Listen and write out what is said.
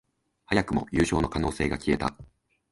早くも優勝の可能性が消えた